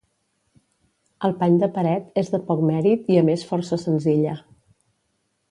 El pany de paret és de poc mèrit i a més força senzilla.